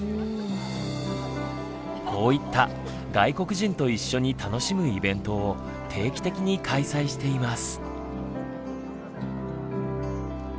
こういった外国人と一緒に楽しむイベントを定期的に開催しています。